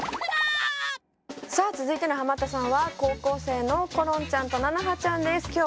さあ続いてのハマったさんは高校生のころんちゃんとななはちゃんです。